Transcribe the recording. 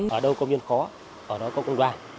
ở đâu công viên khó ở đó có công đoàn